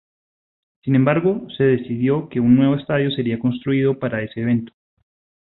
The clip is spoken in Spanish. Sin embargo, se decidió que un nuevo estadio sería construido para ese evento.